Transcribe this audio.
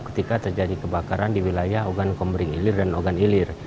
ketika terjadi kebakaran di wilayah ogan komering ilir dan ogan ilir